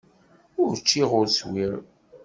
Ur ččiɣ ur swiɣ.